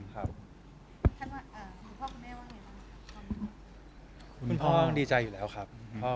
คุณพ่อดีใจอยู่แล้วครับ